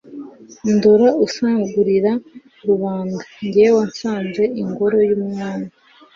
Ndora usagurira Rubanda Jye wasanze ingoro y'Umwami,